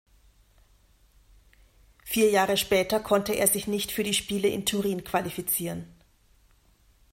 Vier Jahre später konnte er sich nicht für die Spiele in Turin qualifizieren.